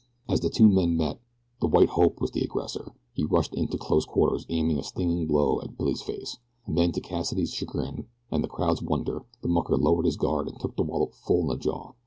As the two men met the "white hope" was the aggressor. He rushed in to close quarters aiming a stinging blow at Billy's face, and then to Cassidy's chagrin and the crowd's wonder, the mucker lowered his guard and took the wallop full on the jaw.